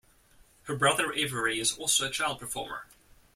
Her brother Avery is also a child performer.